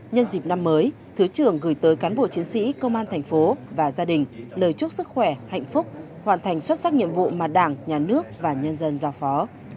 nhân dịp năm mới thứ trưởng gửi tới cán bộ chiến sĩ công an thành phố và gia đình lời chúc sức khỏe hạnh phúc hoàn thành xuất sắc nhiệm vụ mà đảng nhà nước và nhân dân giao phó